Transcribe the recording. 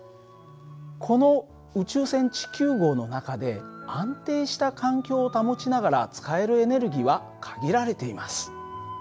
この宇宙船地球号の中で安定した環境を保ちながら使えるエネルギーは限られています。